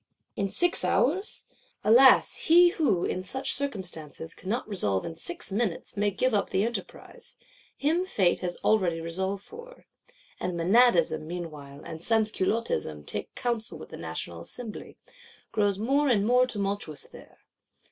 In six hours? Alas, he who, in such circumstances, cannot resolve in six minutes, may give up the enterprise: him Fate has already resolved for. And Menadism, meanwhile, and Sansculottism takes counsel with the National Assembly; grows more and more tumultuous there.